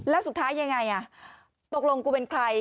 แล้วสุดท้ายยังไงตกลงกูเป็นใคร